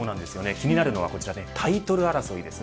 気になるのはこちらタイトル争いです。